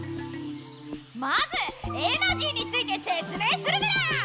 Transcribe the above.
まずエナジーについてせつ明するメラ！